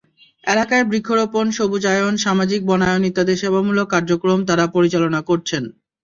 এলাকায় বৃক্ষরোপণ, সবুজায়ন, সামাজিক বনায়ন ইত্যাদি সেবামূলক কার্যক্রম তাঁরা পরিচালনা করছেন।